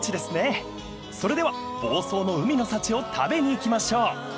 ［それでは房総の海の幸を食べに行きましょう］